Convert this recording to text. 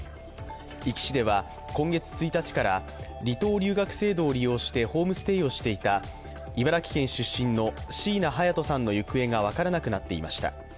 壱岐市では今月１日から離島留学制度を利用してホームステイをしていた茨城県出身の椎名隼都さんの行方が分からなくなっていました。